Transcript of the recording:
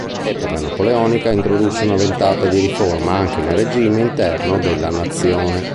L'epoca napoleonica introdusse una ventata di riforma anche nel regime interno della nazione.